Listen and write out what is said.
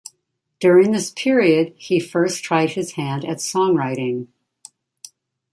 During this period he first tried his hand at songwriting.